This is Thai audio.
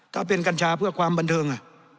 ถ้าเป็นกัญชาเพื่อความบันเทิง